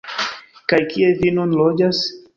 Kaj kie vi nun loĝas?